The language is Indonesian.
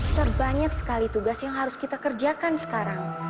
terbanyak sekali tugas yang harus kita kerjakan sekarang